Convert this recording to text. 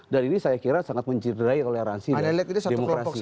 dan ini saya kira sangat mencinderai toleransi dan demokrasi